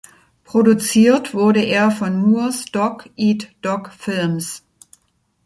Produziert wurde er von Moores Dog Eat Dog Films.